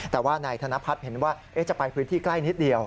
แต่ว่านายธนพัฒน์เห็นว่าจะไปพื้นที่ใกล้นิดเดียว